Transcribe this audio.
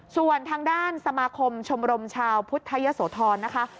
ส่วนทางด้านสมาคมชมรมชาวพุทธยโสธรนะคะ